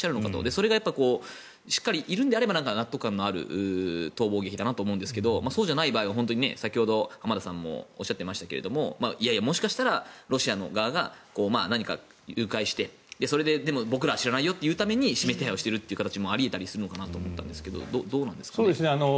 それがしっかりいるのであれば納得感のある逃亡劇だなと思うんですがそうじゃない場合は本当に先ほど浜田さんもおっしゃっていましたけどもしかしたらロシア側が何か誘拐してそれで、でも僕らは知らないよというために指名手配をしているという形もあり得るかなと思ったんですけどどうですかね？